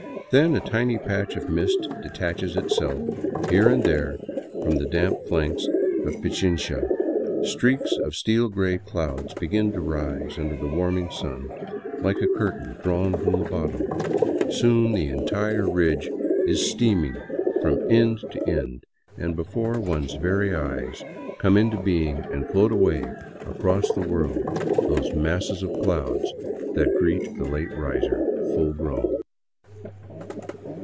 Then a tiny patch of mist detaches itself here and there from the damp flanks of Pichincha, streaks of steel gray clouds begin to rise under the warming sun, like a curtain drawn from the bottom; soon the entire ridge is steaming from end to end, and before one's very eyes 135 VAGABONDING DOWN THE ANDES come into being and float away across the world those masses of clouds that greet the late riser full grown.